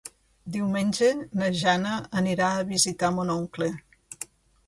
Diumenge na Jana anirà a visitar mon oncle.